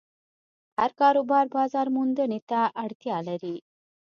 هر کاروبار بازارموندنې ته اړتیا لري.